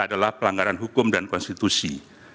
adalah pelanggaran hukum dan konstitusi